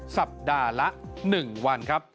สัปดาห์ละ๑วันครับ